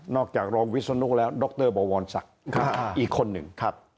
นอกจากรองวิศนุแล้วดรบอวอนสักอีกคนหนึ่ง